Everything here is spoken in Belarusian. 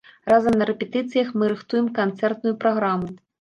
Разам на рэпетыцыях мы рыхтуем канцэртную праграму.